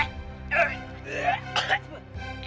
tidak tidak tidak